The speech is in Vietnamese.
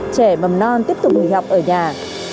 trẻ mầm non tiếp tục hủy học ở nhà